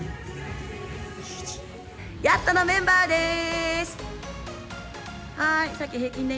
ＹＡＴのメンバーです。